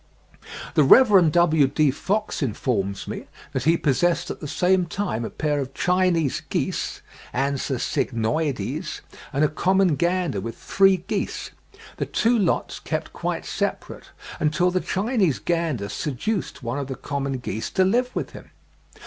The Rev. W.D. Fox informs me that he possessed at the same time a pair of Chinese geese (Anser cygnoides), and a common gander with three geese. The two lots kept quite separate, until the Chinese gander seduced one of the common geese to live with him.